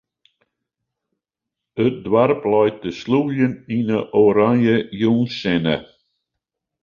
It doarp leit te slûgjen yn 'e oranje jûnssinne.